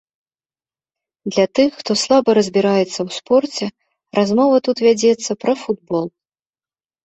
Для тых, хто слаба разбіраецца ў спорце, размова тут вядзецца пра футбол.